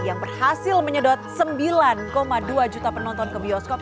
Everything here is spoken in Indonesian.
yang berhasil menyedot sembilan dua juta penonton ke bioskop